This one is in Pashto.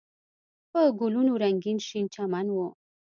په ګلونو رنګین شین چمن و.